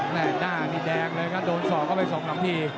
แม่ตานี้แดงเลยถ้าโดนศอกไปส่งลำพี